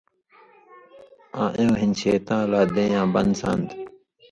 آں اېوں ہِن شېطاں لا دېں یاں بن سان٘د؛